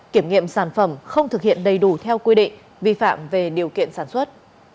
kiểm nghiệm sản phẩm không thực hiện đầy đủ theo quy định vi phạm về điều kiện sản xuất